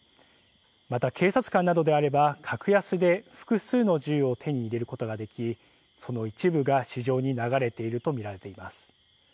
また、警察官などであれば格安で複数の銃を手に入れることができその一部が市場に流れていると見られています。